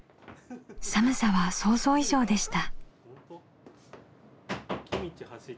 寒さは想像以上でした。